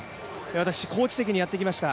私コーチ席にやってきました。